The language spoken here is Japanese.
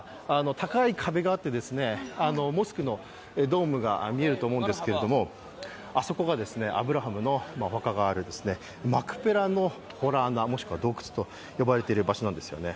高い壁があって、モスクのドームが見えると思うんですけれども、あそこがアブラハムのお墓があるマクペラの洞窟と呼ばれている場所なんですね。